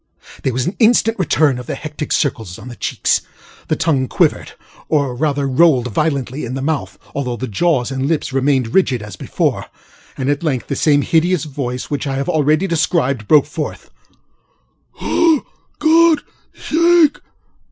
ŌĆØ There was an instant return of the hectic circles on the cheeks; the tongue quivered, or rather rolled violently in the mouth (although the jaws and lips remained rigid as before), and at length the same hideous voice which I have already described, broke forth: ŌĆ£For GodŌĆÖs sake! ŌĆöquick!